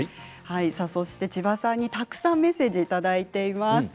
そして千葉さんにたくさんメッセージをいただいています。